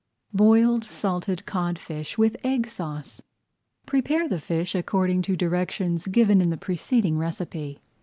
BOILED SALTED CODFISH WITH EGG SAUCE Prepare the fish according to directions given in the preceding recipe.